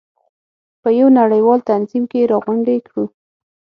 په یو نړیوال تنظیم کې راغونډې کړو.